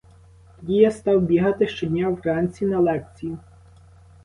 Тоді я став бігати щодня вранці на лекцію.